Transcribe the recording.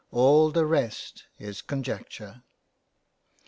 All the rest is conjecture."